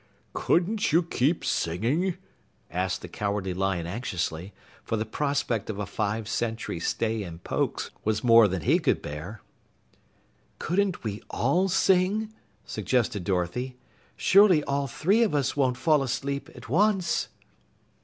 "Couldn't you keep singing?" asked the Cowardly Lion anxiously, for the prospect of a five century stay in Pokes was more than he could bear. "Couldn't we all sing?" suggested Dorothy. "Surely all three of us won't fall asleep at once."